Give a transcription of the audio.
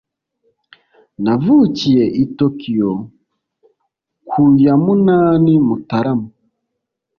navukiye i tokiyo ku ya munani mutarama